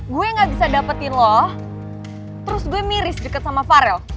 gue gak bisa dapetin lo terus gue miris deket sama farel